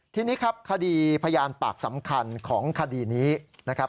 ทีนี้ครับคดีพยานปากสำคัญของคดีนี้นะครับ